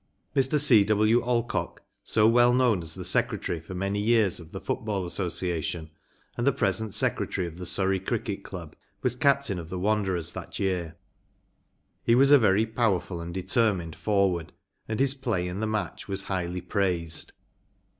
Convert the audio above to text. ‚ÄĚ Mr. C. W. Alcock, so well known as the secretary for many years of the Football Association and the present secretary of the Surrey Cricket Club, was captain of the Wanderers that year. He was a very power¬ ful and determined forward, and his play in the match was highly praised.